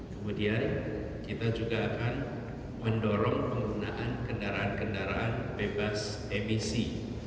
kemudian kita juga akan mendorong penggunaan kendaraan kendaraan bebas emisi